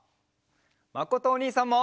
まことおにいさんも！